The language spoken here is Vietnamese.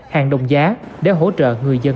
hàng đồng giá để hỗ trợ người dân mua sắm